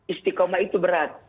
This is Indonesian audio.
istikomah itu berat